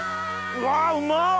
うわうま！